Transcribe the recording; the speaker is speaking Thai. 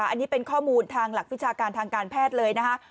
อันนี้เป็นข้อมูลทางหลักวิชาการทางการแพทย์เลยนะคะ